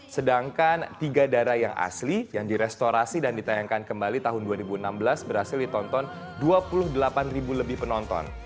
sedangkan tiga darah yang asli yang direstorasi dan ditayangkan kembali tahun dua ribu enam belas berhasil ditonton dua puluh delapan ribu lebih penonton